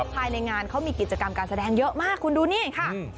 ภายในงานเขามีกิจกรรมการแสดงเยอะมากคุณดูนี่ค่ะ